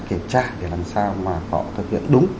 kể trả để làm sao mà họ thực hiện đúng